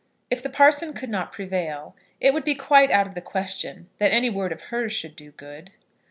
If the parson could not prevail, it would be quite out of the question that any word of hers should do good.